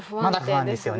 まだ不安ですよね。